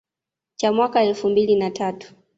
cha mwaka elfu mbili na tatu